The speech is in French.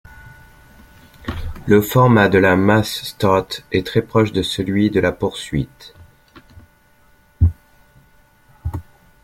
Le format de la mass-start est très proche de celui de la poursuite.